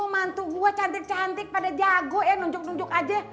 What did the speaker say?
manto gua cantik cantik pada jago ya nunjuk nunjuk aja